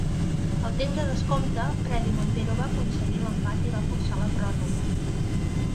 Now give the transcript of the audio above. Al temps de descompte, Fredy Montero va aconseguir l'empat i va forçar la pròrroga.